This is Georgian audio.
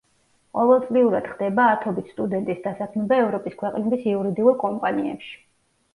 ყოველწლიურად ხდება ათობით სტუდენტის დასაქმება ევროპის ქვეყნების იურიდიულ კომპანიებში.